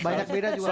banyak beda juga